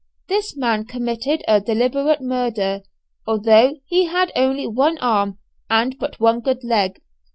This man committed a deliberate murder; although he had only one arm and but one good leg.